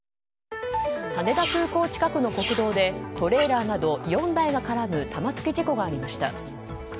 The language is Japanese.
羽田空港近くの国道でトレーラーなど４台が絡む玉突き事故がありました。